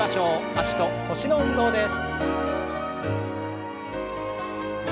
脚と腰の運動です。